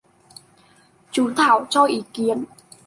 Chú Thảo cho ý kiến